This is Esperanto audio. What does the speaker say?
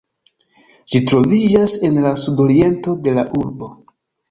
Ĝi troviĝas en la sudoriento de la urbo.